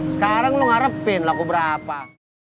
sekarang lo ngarepin lagu berapa